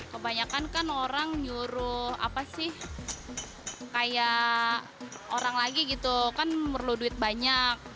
kebanyakan kan orang nyuruh apa sih kayak orang lagi gitu kan perlu duit banyak